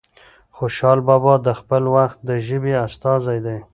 خوشال بابا د خپل وخت د ژبې استازی دی.